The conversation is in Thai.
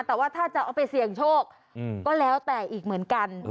แต่ว่าถ้าจะเอาไปเสี่ยงโชคก็แล้วแต่อีกเหมือนกัน